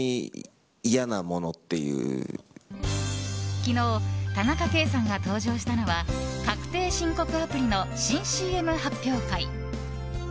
昨日、田中圭さんが登場したのは確定申告アプリの新ＣＭ発表会。